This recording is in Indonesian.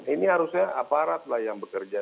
ini harusnya aparat lah yang bekerja